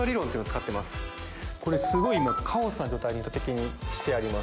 これこれすごい今カオスな状態に意図的にしてあります